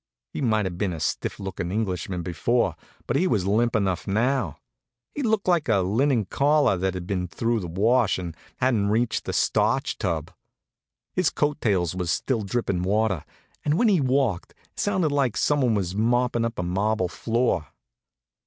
He might have been a stiff lookin' Englishman before, but he was limp enough now. He looked like a linen collar that had been through the wash and hadn't reached the starch tub. His coat tails was still drippin' water, and when he walked it sounded like some one was moppin' up a marble floor.